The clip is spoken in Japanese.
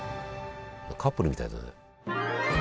カップルみたいだね。